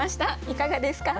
いかがですか？